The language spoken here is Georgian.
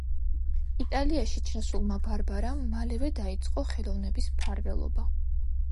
იტალიაში ჩასულმა ბარბარამ მალევე დაიწყო ხელოვნების მფარველობა.